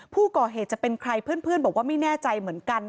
ผู้ก่อเหตุจะเป็นใครเพื่อนบอกว่าไม่แน่ใจเหมือนกัน